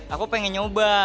aku pengen nyoba